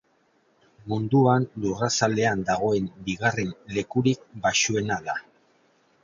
Munduan lurrazalean dagoen bigarren lekurik baxuena da.